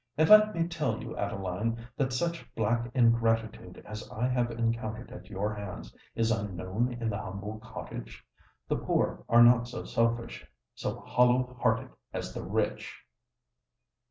And let me tell you, Adeline, that such black ingratitude as I have encountered at your hands, is unknown in the humble cottage:—the poor are not so selfish—so hollow hearted as the rich!"